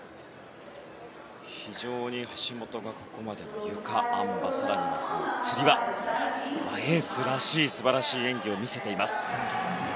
非常に橋本がここまでのゆか、あん馬、つり輪エースらしい素晴らしい演技を見せています。